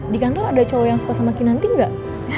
di kantor ada cowok yang suka sama kinanti nggak